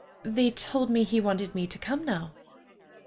"They told me he wanted me to come now."